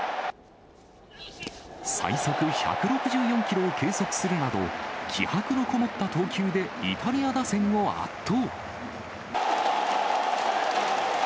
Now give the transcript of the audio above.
最速１６４キロを計測するなど、気迫の込もった投球でイタリア打線を圧倒。